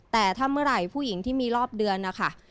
แต่ถ้าเมื่อไหร่ผู้หญิงที่มีรอบเดือนนะคะ